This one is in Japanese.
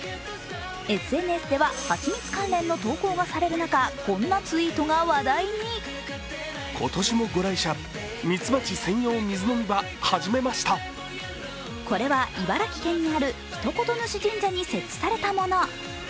ＳＮＳでははちみつ関連の投稿がされる中、こんなツイートが話題にこれは茨城県にある一言主神社に設置されたもの。